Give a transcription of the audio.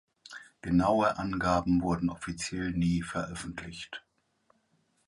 Genaue Angaben wurden offiziell nie veröffentlicht.